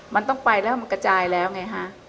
มันต้องไปแล้วมันกระจายแล้วไงฮะ